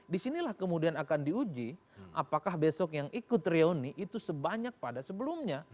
disinilah kemudian akan diuji apakah besok yang ikut reuni itu sebanyak pada sebelumnya